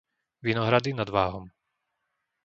Vinohrady nad Váhom